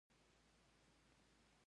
زه هره ورځ لپټاپ کاروم.